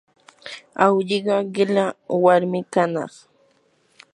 awlliqa qilla warmi kanaq.